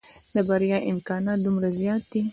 د بريا امکانات دومره زيات دي.